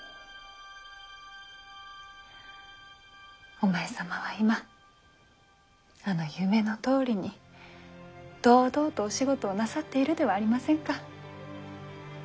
お前様は今あの夢のとおりに堂々とお仕事をなさっているではありませんか。